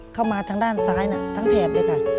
เข้ามาทางด้านซ้ายทั้งแถบเลยค่ะ